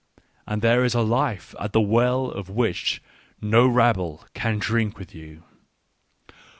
And there is a life at the well of which no rabble can drink with you.